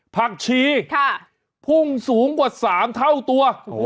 ผักชีพุ่งสูงกว่า๓เท่าตัว